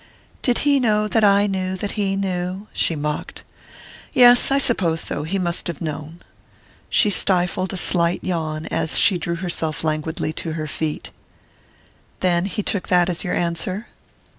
"Did he know that I knew that he knew?" she mocked. "Yes I suppose so he must have known." She stifled a slight yawn as she drew herself languidly to her feet. "Then he took that as your answer?"